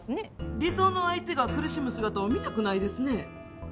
理想の相手が苦しむ姿を見たくないですね。